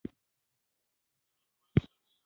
دنګ نرى غنمرنگى سړى و.